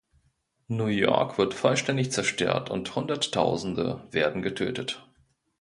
New York wird vollständig zerstört und Hunderttausende werden getötet.